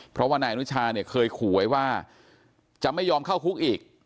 เพราะว่านายอนุชาเนี่ยเคยขู่ไว้ว่าจะไม่ยอมเข้าคุกอีก